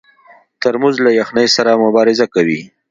ترموز له یخنۍ سره مبارزه کوي.